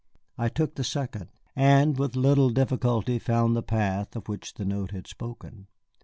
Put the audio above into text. I took the second, and with little difficulty found the path of which the note had spoken.